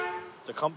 乾杯？